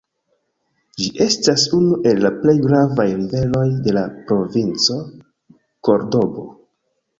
Ĝi estas unu el la plej gravaj riveroj de la provinco Kordobo.